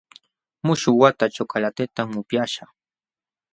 Muśhuq wata chocolatetam upyaśhaq.